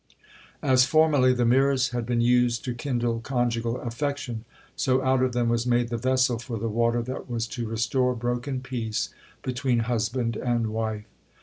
As formerly the mirrors had been used to kindle conjugal affection, so out of them was made the vessel for the water that was to restore broken peace between husband and wife.